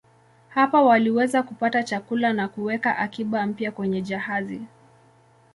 Hapa waliweza kupata chakula na kuweka akiba mpya kwenye jahazi.